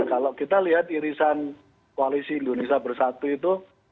kalau kita lihat irisan koalisi indonesia bersatu itu